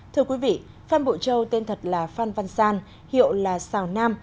thưa quý vị phan bộ châu tên thật là phan văn san hiệu là sào nam